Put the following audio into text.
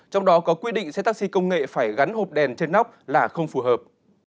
trong đó có quy định xe taxi công nghệ phải gắn hộp đèn trên nóc là không phù hợp